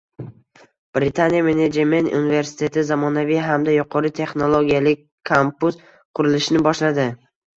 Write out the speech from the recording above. Britaniya menejment universiteti zamonaviy hamda yuqori texnologiyali kampus qurilishini boshladi